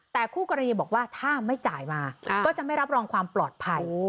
แต่คู่กรณีบอกว่าถ้าไม่จ่ายมาก็จะไม่รับรองความปลอดภัย